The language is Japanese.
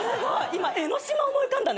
今江の島思い浮かんだね。